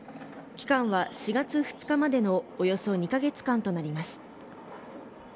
期間は４月２日までのおよそ２か月間となります。